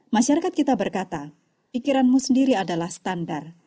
masyarakat kita berkata pikiranmu sendiri adalah standar